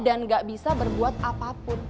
dan gak bisa berbuat apapun